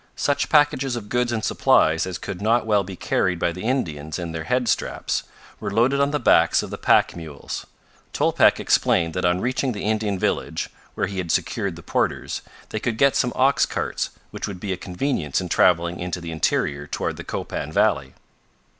Such packages of goods and supplies as could not well be carried by the Indians in their head straps, were loaded on the backs of the pack mules. Tolpec explained that on reaching the Indian village, where he had secured the porters, they could get some ox carts which would be a convenience in traveling into the interior toward the Copan valley.